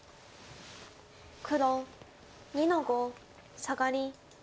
黒２の五サガリ。